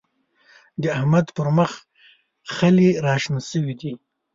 د احمد پر مخ خلي راشنه شوي دی.